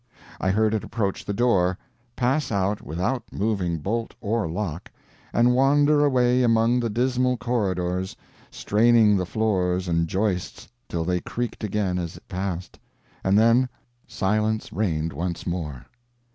I heard it approach the door pass out without moving bolt or lock and wander away among the dismal corridors, straining the floors and joists till they creaked again as it passed and then silence reigned once more.